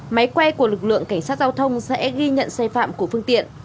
máy quay của lực lượng cảnh sát giao thông sẽ ghi nhận sai phạm của phương tiện